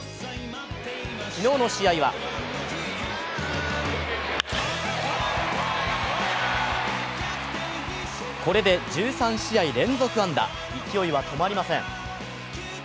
昨日の試合はこれで１３試合連続安打、勢いは止まりません。